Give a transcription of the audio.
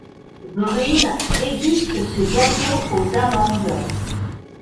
Bruine déguste ce gâteau aux amandes.